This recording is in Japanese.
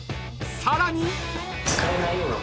［さらに］